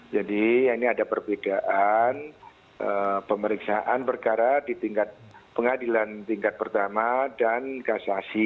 jadi ini ada perbedaan pemeriksaan perkara di tingkat pengadilan tingkat pertama dan kasasi